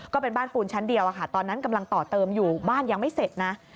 ก็เป็นบ้านปูนชั้นเดียวตอนนั้นกำลังต่อเติมอยู่บ้านยังไม่เสร็จนะ